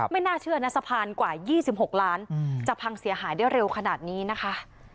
น่าเชื่อนะสะพานกว่า๒๖ล้านจะพังเสียหายได้เร็วขนาดนี้นะคะ